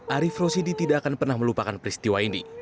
arief rosidi tidak akan pernah melupakan peristiwa ini